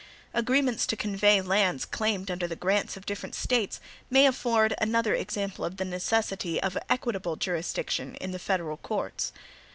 Agreements to convey lands claimed under the grants of different States, may afford another example of the necessity of an equitable jurisdiction in the federal courts.